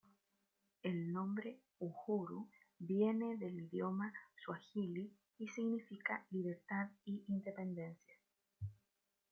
El nombre Uhuru viene del idioma suajili y significa "libertad" y "independencia.